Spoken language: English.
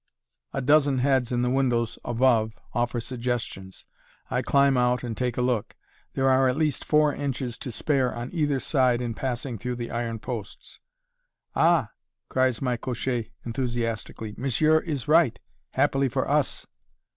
A dozen heads in the windows above offer suggestions. I climb out and take a look; there are at least four inches to spare on either side in passing through the iron posts. "Ah!" cries my cocher enthusiastically, "monsieur is right, happily for us!"